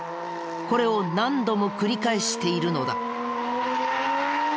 これを何度も繰り返しているのだ。